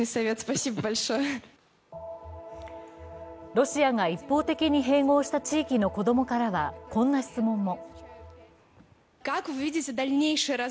ロシアが一方的に併合した地域の子供からはこんな質問も。